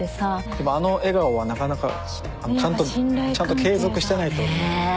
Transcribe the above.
でもあの笑顔はなかなかちゃんとちゃんと継続してないと。ねぇ。